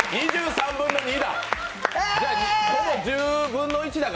２３分の２だ。